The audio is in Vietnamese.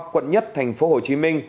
quận một tp hcm